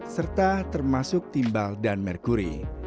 serta termasuk timbal dan merkuri